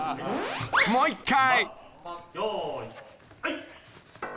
［もう１回］